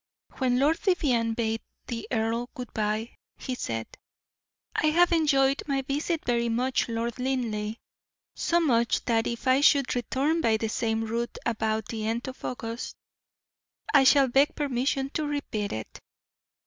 When Lord Vivianne bade the earl good bye, he said: "I have enjoyed my visit very much, Lord Linleigh; so much that if I should return by the same route about the end of August, I shall beg permission to repeat it."